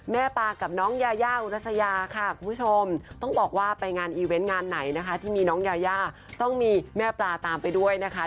ปลากับน้องยายาอุรัสยาค่ะคุณผู้ชมต้องบอกว่าไปงานอีเวนต์งานไหนนะคะที่มีน้องยายาต้องมีแม่ปลาตามไปด้วยนะคะ